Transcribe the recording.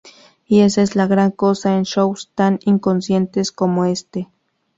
Y esa es la gran cosa en shows tan inconscientes como este.